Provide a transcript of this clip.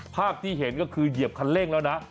ภาพที่เห็นก็คือเหยียบคันเร่งแล้วนะ